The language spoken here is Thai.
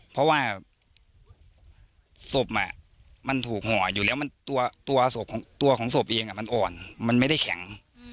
เพราะว่าศพมันถูกห่ออยู่แล้วตัวของศพเองมันอ่อนมันไม่ได้แข็ง